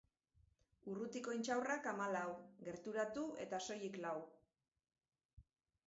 Urrutiko intxaurrak hamalau, gerturatu eta soilik lau.